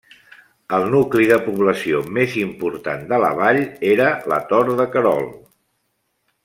El nucli de població més important de la vall era la Tor de Querol.